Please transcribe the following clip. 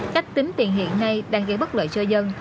cách tính tiền hiện nay đang gây bất lợi cho dân